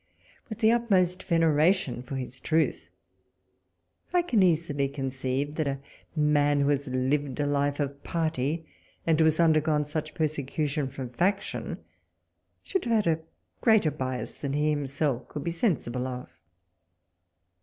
With the utmost veneration for his truth, I can easily conceive, that a man who had lived a life of party, and who had undergone such persecution from party, should have had greater bias than he himself could be sensible of.